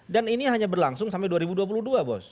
dan ini hanya berlangsung sampai dua ribu dua puluh dua bos